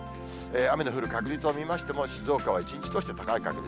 雨の降る確率を見ましても、静岡は一日通して高い確率。